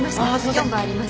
４部あります。